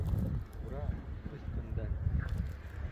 Ура, өс көндән!